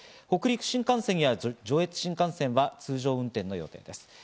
北陸新幹線や上越新幹線は通常運転の予定です。